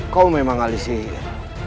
kau memang alis sihir